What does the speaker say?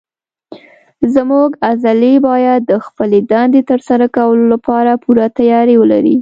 زموږ عضلې باید د خپلې دندې تر سره کولو لپاره پوره تیاری ولري.